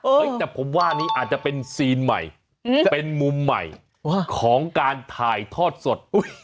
เฮ้ยแต่ผมว่านี้อาจจะเป็นซีนใหม่เป็นมุมใหม่ของการถ่ายทอดสด